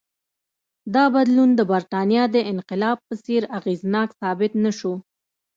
دا بدلون د برېټانیا د انقلاب په څېر اغېزناک ثابت نه شو.